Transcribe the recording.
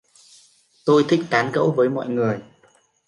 tôi thích tán gẫu với mọi người